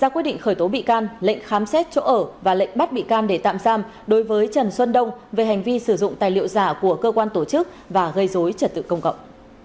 ra quyết định khởi tố bị can lệnh khám xét chỗ ở và lệnh bắt bị can để tạm giam đối với trần xuân đông về hành vi sử dụng tài liệu giả của cơ quan tổ chức và gây dối trật tự công cộng